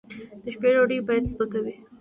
د شپې ډوډۍ باید سپکه وي